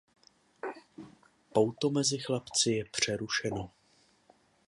Pouto mezi chlapci je přerušeno.